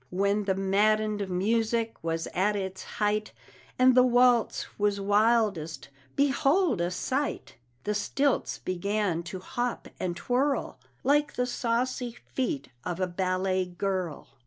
When the maddened music was at its height, And the waltz was wildest behold, a sight! The stilts began to hop and twirl Like the saucy feet of a ballet girl.